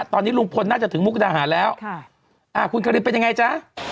ตอนนี้ลุงพลน่าจะถึงมุกดาหารแล้วคุณคารินเป็นยังไงจ๊ะ